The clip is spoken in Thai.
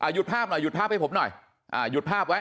หยุดภาพหน่อยหยุดภาพให้ผมหน่อย